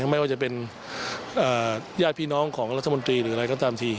ไม่ว่าจะเป็นญาติพี่น้องหรืออะไรก็ตามที่